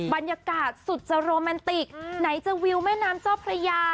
บรรยากาศสุดจะโรแมนติกไหนจะวิวแม่น้ำเจ้าพระยา